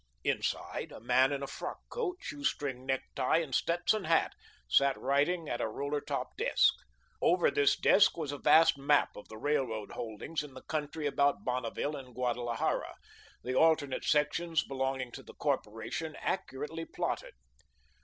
Inside, a man in a frock coat, shoestring necktie, and Stetson hat, sat writing at a roller top desk. Over this desk was a vast map of the railroad holdings in the country about Bonneville and Guadalajara, the alternate sections belonging to the Corporation accurately plotted.